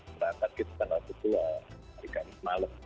berangkat kita tanggal ke dua hari kamis malam